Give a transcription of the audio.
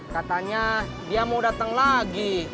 katanya dia mau datang lagi